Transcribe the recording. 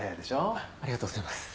ありがとうございます。